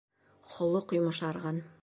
Холоҡ йомшарған.